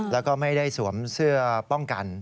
แล้วก็ไม่ได้สวมเสื้อป้องกัน